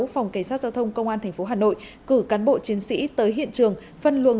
phòng cảnh sát giao thông công an tp hà nội cử cán bộ chiến sĩ tới hiện trường phân luồng